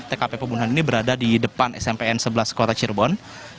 tkp pembunuhan ini berada di depan smpn sebelas kota cirebon